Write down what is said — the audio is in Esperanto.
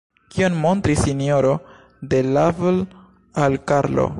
Kion montris S-ro de Lavel al Karlo?